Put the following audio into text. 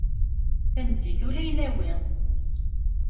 Tameddit ula i nawi.